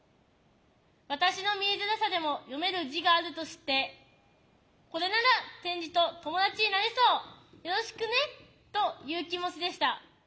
私の見えづらさでも読める字があると知ってこれなら点字と友達になれそうよろしくねという気持ちでした。